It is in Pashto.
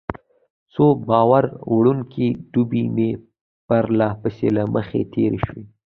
څو بار وړونکې ډبې مې پرله پسې له مخې تېرې شوې.